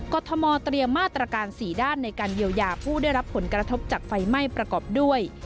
ทมเตรียมมาตรการ๔ด้านในการเยียวยาผู้ได้รับผลกระทบจากไฟไหม้ประกอบด้วย